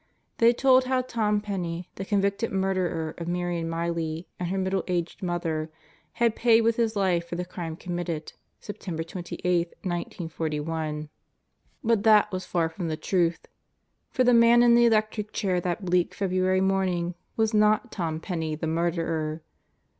They told how Tom Penney, the convicted murderer of Marion Miley and her middle aged mother, had paid with his life for the crime com mitted, September 28, 1941. But that was far from the truth; for the man in the electric chair that bleak February morning was not Tom Penney the murderer.